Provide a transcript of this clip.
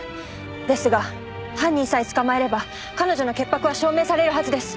ですが犯人さえ捕まえれば彼女の潔白は証明されるはずです。